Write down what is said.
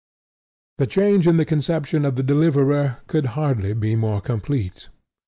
The change in the conception of the Deliverer could hardly be more complete.